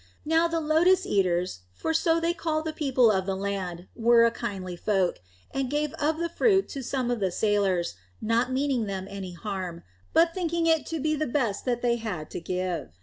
Now the Lotus eaters, for so they call the people of the land, were a kindly folk, and gave of the fruit to some of the sailors, not meaning them any harm, but thinking it to be the best that they had to give.